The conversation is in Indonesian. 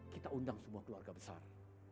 kita undang semua keluarga besar